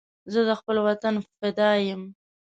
زه د خپل وطن فدا یم